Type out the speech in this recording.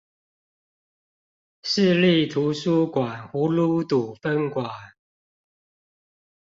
市立圖書館葫蘆堵分館